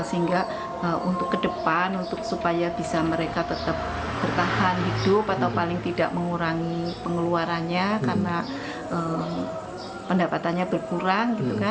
sehingga untuk ke depan untuk supaya bisa mereka tetap bertahan hidup atau paling tidak mengurangi pengeluarannya karena pendapatannya berkurang